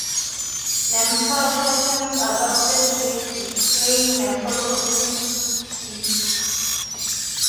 Nephrotoxins are substances displaying nephrotoxicity.